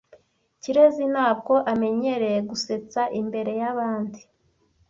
Kirezi ntabwo amenyereye gusetsa imbere yabandi.